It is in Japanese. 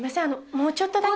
もうちょっとだけ。